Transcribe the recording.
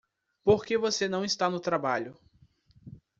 Por que você não está no trabalho?